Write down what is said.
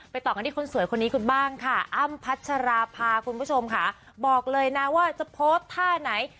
ไปต่อกันที่คนนที่สวยคนนี้คุณบ้างอ้ำพัชรภาว์บอกเลยว่าจะโพสท่าไหน